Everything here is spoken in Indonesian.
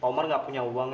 pak umar gak punya uang ya